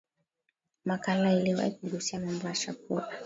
makala iliwahi kugusia mambo ya chakula